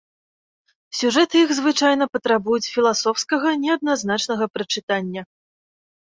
Сюжэты іх звычайна патрабуюць філасофскага, неадназначнага прачытання.